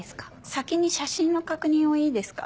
先に写真の確認をいいですか？